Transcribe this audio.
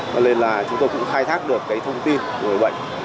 cho nên là chúng tôi cũng khai thác được cái thông tin của người bệnh